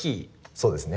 そうですね。